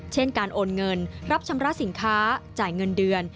เช่นการโอนเงินรับชำระสินค้าจ่ายเงินเดือน